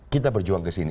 kita berjuang kesini